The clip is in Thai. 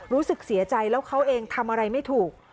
รู้สึกเสียใจแล้วเขาเองทำอะไรไม่ถูก